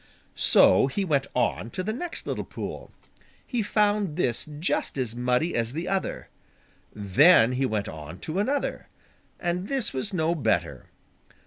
So he went on to the next little pool. He found this just as muddy as the other. Then he went on to another, and this was no better.